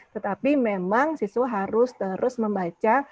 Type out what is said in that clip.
tetapi memang siswa harus terus membaca